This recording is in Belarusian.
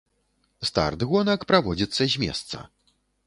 Старт гонак праводзіцца з месца.